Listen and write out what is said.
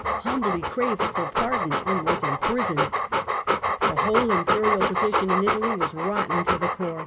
humbly craved for pardon and was im prisoned. The whole Imperial position in Italy was rotten to the core.